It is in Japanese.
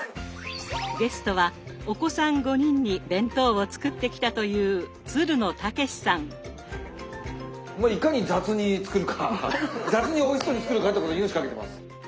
ゲストはお子さん５人に弁当を作ってきたといういかに雑に作るか雑においしそうに作るかってことに命懸けてます。